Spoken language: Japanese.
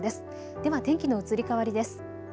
では天気の移り変わりです。